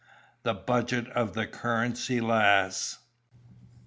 THE BUDGET OF THE "CURRENCY LASS."